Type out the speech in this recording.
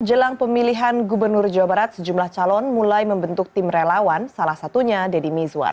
jelang pemilihan gubernur jawa barat sejumlah calon mulai membentuk tim relawan salah satunya deddy mizwar